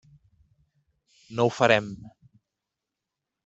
No ho farem.